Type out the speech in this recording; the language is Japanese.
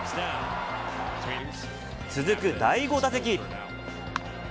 続く第５打席。